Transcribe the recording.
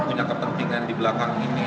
punya kepentingan di belakang ini